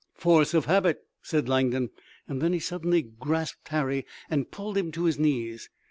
"Force of habit," said Langdon, and then he suddenly grasped Harry and pulled him to his knees.